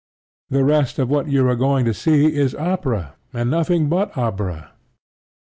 The rest of what you are going to see is opera, and nothing but opera.